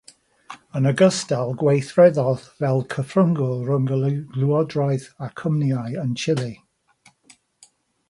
Yn ogystal, gweithredodd fel cyfryngwr rhwng y llywodraeth a chwmnïau yn Chile.